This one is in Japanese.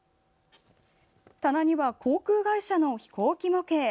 棚には航空会社の飛行機模型。